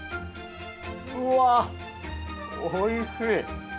うわ、おいしい。